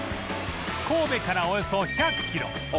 神戸からおよそ１００キロ